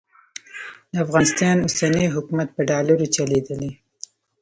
د افغانستان اوسنی حکومت په ډالرو چلېدلی.